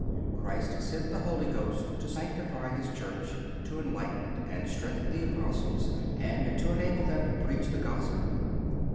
Christ sent the Holy Ghost to sanctify His Church, to enlighten and strengthen the Apostles, and to enable them to preach the Gospel.